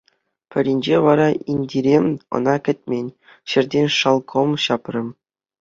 Пӗринче вара Индире ӑна кӗтмен ҫӗртен шалкӑм ҫапрӗ.